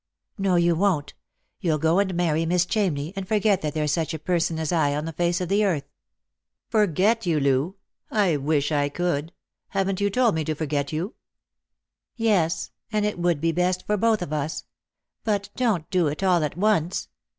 " No, you won't ; you'll go and marry Miss Chamney, and forget that there's such a person as I on the face of the earth." " Forget you, Loo ! I wish I could. Haven't you told me to forget you ?"'■ Yes — and it would be best for both of us. But don't do it all at once.